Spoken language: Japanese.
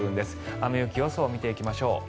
雨・雪予想を見ていきましょう。